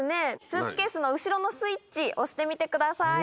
スーツケースの後ろのスイッチ押してみてください。